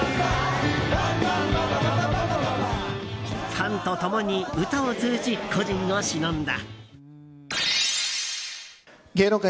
ファンと共に歌を通じ故人をしのんだ。